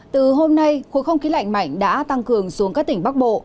từ hôm nay khối không khí lạnh mạnh đã tăng cường xuống các tỉnh bắc bộ